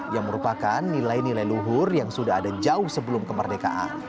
yang merupakan nilai nilai luhur yang sudah ada jauh sebelum kemerdekaan